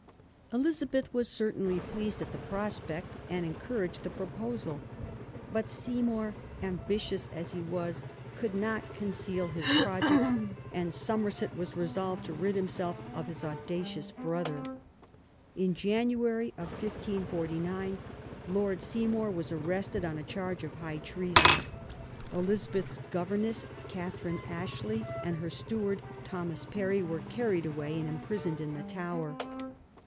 Elizabeth was certainly pleased at the pro spect, and encouraged the proposal. But Seymour, ambitious as he was, could not conceal his projects, 12 QUEEN ELIZABETH. and Somerset was resolved to rid himself of his audacious brother. In January, 1549, Lord Seymour was arrested on a charge of high treason. Eliza beth's governess, Catherine Ashley, and her steward, Thomas Parry, were carried away and imprisoned in the Tower.